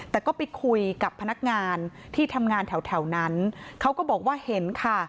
แต่ก็ไปคุยกับพนักงานที่ทำงานแถวนั้นเขาก็บอกว่าเห็นค่ะ